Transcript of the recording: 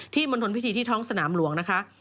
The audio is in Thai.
มณฑลพิธีที่ท้องสนามหลวงนะคะ